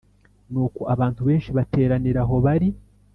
Nuko abantu benshi bateranira aho bari